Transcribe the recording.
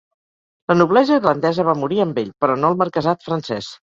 La noblesa irlandesa va morir amb ell, però no el marquesat francès.